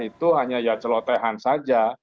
itu hanya celotehan saja